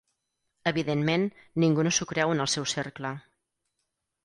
Evidentment, ningú no s'ho creu en el seu cercle.